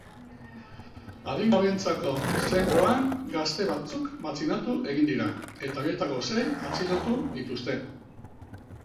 Adingabeentzako zentroan gazte batzuk matxinatu egin dira eta horietako sei atxilotu dituzte.